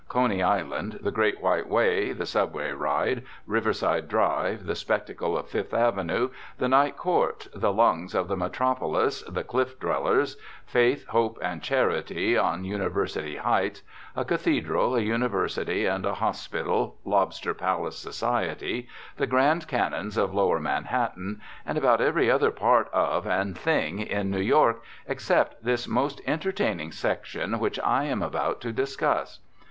Coney Island, the Great White Way, the subway ride, Riverside Drive, the spectacle of Fifth Avenue, the Night Court, the "lungs" of the metropolis, the "cliff dwellers," "faith, hope, and charity" on University Heights a cathedral, a university, and a hospital, "lobster palace society," the "grand canons" of lower Manhattan, and about every other part of and thing in New York except this most entertaining section which I am about to discuss.